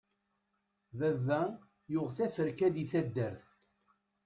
Baba yuɣ teferka di taddart.